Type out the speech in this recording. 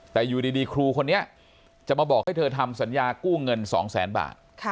แต่อยู่ดีครูคนนี้จะมาบอกให้เธอทำสัญญากู้เงิน๒แสนบาท